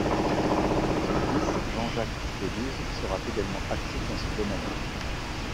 Son fils, Jean-Jacques Deluze, sera également actif dans ce domaine.